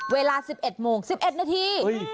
เวลา๑๑โมง๑๑นาที